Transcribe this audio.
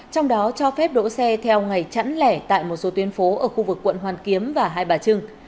trong đó cho phép đỗ xe theo ngày chẵn lẻ tại một số tuyến phố ở khu vực quận hoàn kiếm và hai bà trưng